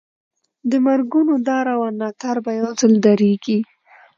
د مرګونو دا روان ناتار به یو ځل درېږي.